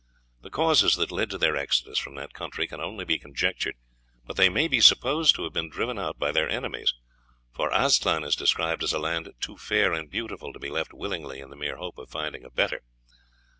The causes that led to their exodus from that country can only be conjectured; but they may be supposed to have been driven out by their enemies, for Aztlan is described as a land too fair and beautiful to be left willingly in the mere hope of finding a better."